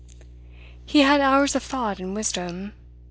He had hours of thought and wisdom.